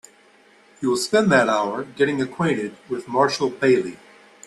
You will spend that hour getting acquainted with Marshall Bailey.